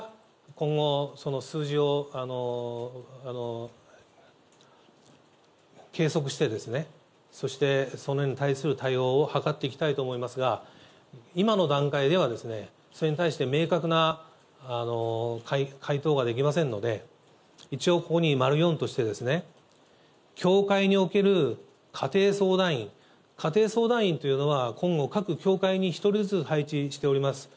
今後、この数字を計測して、そしてそれに対する対応を図っていきたいと思いますが、今の段階では、それに対して明確な回答ができませんので、一応、ここに丸４としてですね、教会における家庭相談員、家庭相談員というのは、今後、各教会に１人ずつ配置しております。